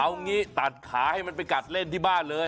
เอางี้ตัดขาให้มันไปกัดเล่นที่บ้านเลย